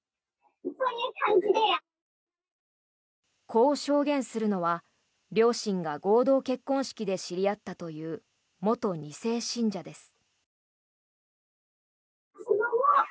こう証言するのは両親が合同結婚式で知り合ったという元２世信者です。